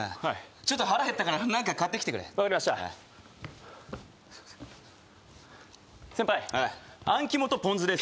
ちょっと腹減ったからなんか買ってきてくれわかりました先輩あん肝とポン酢です